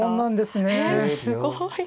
すごい。